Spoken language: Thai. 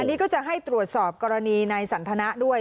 อันนี้ก็จะให้ตรวจสอบกรณีนายสันทนะด้วย